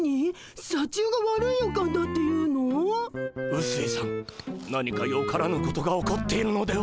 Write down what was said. うすいさん何かよからぬことが起こっているのでは？